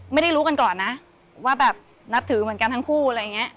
ไม่ได้รู้กันก่อนนะว่าแบบนับถือเหมือนกันทั้งคู่อะไรอย่างนี้